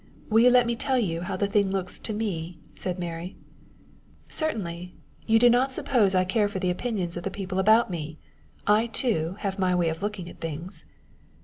"Will you let me tell you how the thing looks to me?" said Mary. "Certainly. You do not suppose I care for the opinions of the people about me! I, too, have my way of looking at things."